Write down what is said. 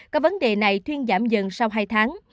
các vấn đề này thuyên giảm dần sau hai tháng